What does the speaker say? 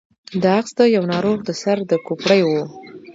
دا عکس د يوه ناروغ د سر د کوپړۍ و.